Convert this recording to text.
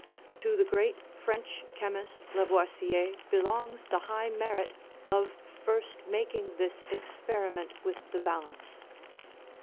To the great French chemist Lavoisier belongs the high merit of first making this experiment with the balance!